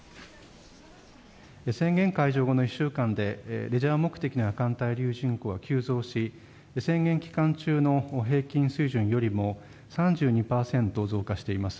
宣言解除後の１週間でレジャー目的の夜間滞留人口は急増し、宣言期間中の平均水準よりも、３２％増加しています。